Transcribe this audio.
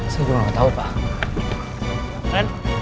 saya juga nggak tahu pak